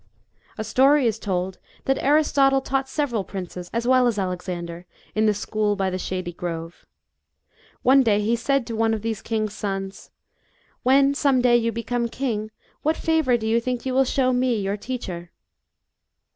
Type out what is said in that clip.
A story is 'told, that Aristotle taught several B.C. 343.] ARISTOTLE'S JPUPIL. 135 princes, as well as Alexander, in the school by the shady Grove. One day he tsaid to one of these kings' sons, " When, some day, you become king, what favour do you think you will show me, your teacher